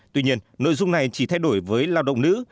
tuy nhiên nội dung này chỉ thay đổi với lao động nữ